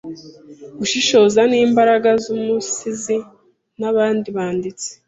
gushishoza nimbaraga zumusizi nabandi banditsi